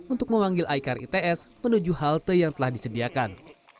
untuk memanggil icar its menuju halte yang telah disediakan